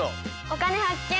「お金発見」。